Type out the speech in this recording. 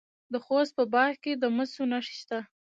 د خوست په باک کې د مسو نښې شته.